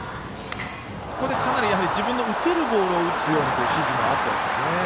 ここでかなり自分の打てるボール打つように指示もあったようですね。